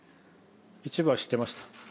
一部は知ってました。